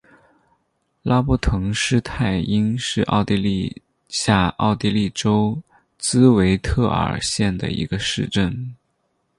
拉波滕施泰因是奥地利下奥地利州茨韦特尔县的一个市镇。